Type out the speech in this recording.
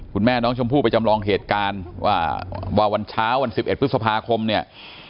คุณแม่น้องชมพู่ไปจำลองเหตุการณ์ว่าวันเช้าวัน๑๑พฤษภาคมเนี่ย